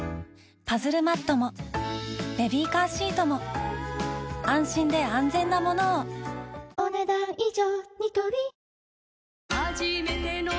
パズルマットもベビーカーシートも安心で安全なものをお、ねだん以上。